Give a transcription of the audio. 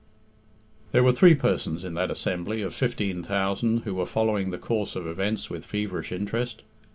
There were three persons in that assembly of fifteen thousand who were following the course of events with feverish interest.